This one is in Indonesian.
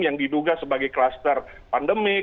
yang diduga sebagai kluster pandemik